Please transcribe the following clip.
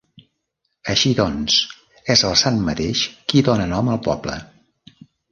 Així doncs, és el sant mateix qui dóna nom al poble.